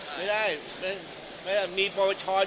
ไม่ได้ไม่ได้มีประวัติศาสตร์